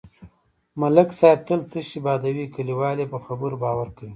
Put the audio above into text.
ملک صاحب تل تشې بادوي، کلیوال یې په خبرو باور کوي.